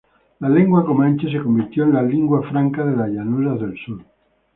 La lengua comanche se convirtió en la lingua franca de las llanuras del sur.